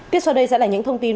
tiếp sau đây sẽ là những thông tin